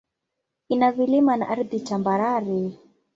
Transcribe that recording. Ina vilima na ardhi tambarare.